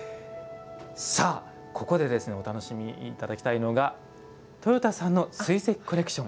ここでお楽しみいただきたいのがとよたさんの水石コレクション